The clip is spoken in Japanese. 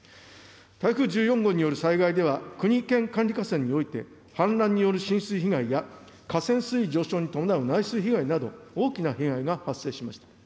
台風１４号による災害では、国・県管理河川において氾濫による浸水被害や河川水位上昇に伴う内水被害など、大きな被害が発生しました。